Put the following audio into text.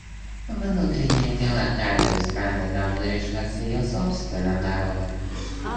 Внутренние дела каждой страны должны решаться ее собственным народом.